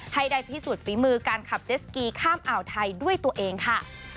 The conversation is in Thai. ให้ได้พิสูจนฝีมือการขับเจสกีข้ามอ่าวไทยด้วยตัวเองค่ะ